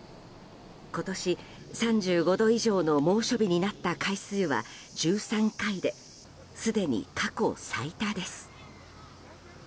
今年３５度以上の猛暑日になった回数は１３回ですでに過去最多です。